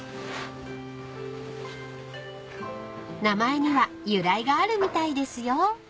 ［名前には由来があるみたいですよ］